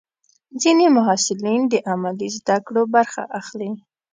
ځینې محصلین د عملي زده کړو برخه اخلي.